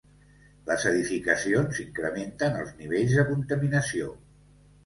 Les edificacions incrementen els nivells de contaminació.